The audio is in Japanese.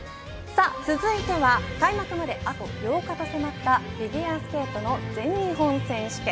続いては開幕まであと８日と迫ったフィギュアスケートの全日本選手権。